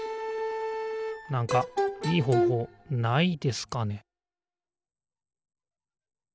なんかいいほうほうないですかね